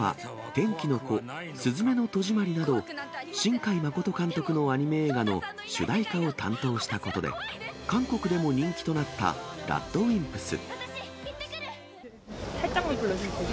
天気の子、すずめの戸締まりなど、新海誠監督のアニメ映画の主題歌を担当したことで、韓国でも人気となったＲＡＤＷＩＭＰＳ。